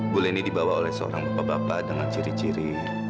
bu leni dibawa oleh seorang bapak bapak dengan ciri ciri